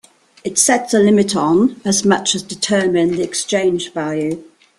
It sets a limit on, as much as determine, the exchange value.